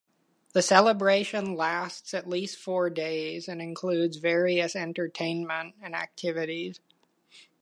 The celebration lasts at least four days, and includes various entertainment and activities.